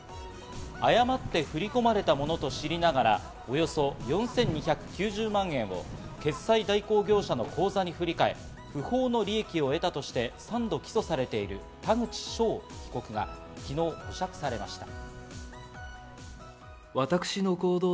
誤って振り込まれたものと知りながら、およそ４２９０万円を決済代行業者の口座に振り替え、不法の利益を得たとして３度起訴されている田口翔被告が昨日、保釈されました。